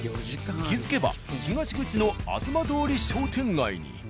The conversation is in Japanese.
気付けば東口の東通り商店街に。